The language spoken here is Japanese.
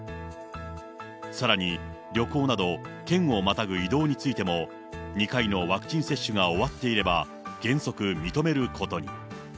さらに旅行など、県をまたぐ移動についても、２回のワクチン接種が終わっていれば原則認めることに。